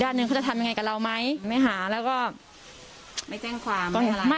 หนึ่งเขาจะทำยังไงกับเราไหมไม่หาแล้วก็ไม่แจ้งความ